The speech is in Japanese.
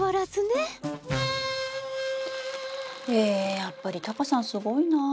やっぱりタカさんすごいな。